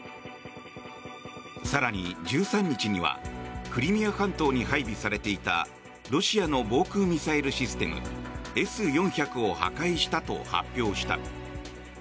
更に１３日にはクリミア半島に配備されていたロシアの防空ミサイルシステムＳ４００を破壊したと発表した。